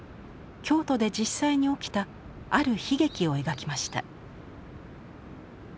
京都で実際に起きたある悲劇を描きました。